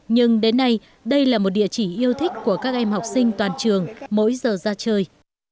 nhưng đến nay đây là một địa chỉ yêu thích của các em học sinh toàn trường mỗi giờ ra chơi